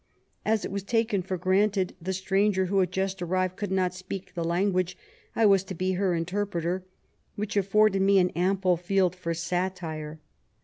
As it was taken for granted the stranger who had just arrived could not speak the language, I was to be her interpreter, which afforded me an ample field for satire.